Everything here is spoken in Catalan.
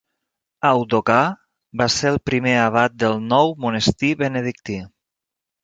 Audogar va ser el primer abat del nou monestir benedictí.